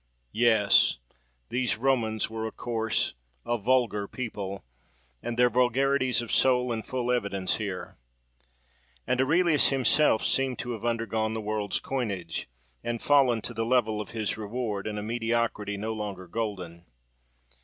Yes! these Romans were a coarse, a vulgar people; and their vulgarities of soul in full evidence here. And Aurelius himself seemed to have undergone the world's coinage, and fallen to the level of his reward, in a mediocrity no longer golden.